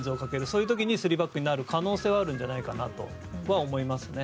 その時に３バックになる可能性はあるんじゃないかと思います。